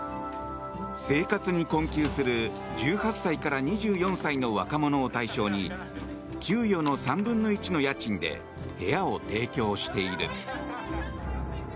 生活に困窮する１８歳から２４歳の若者を対象に給与の３分の１の家賃で部屋を提供している。